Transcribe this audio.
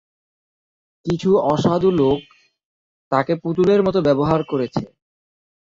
কিছু অসাধু লোক তাকে পুতুলের মতো ব্যবহার করছে।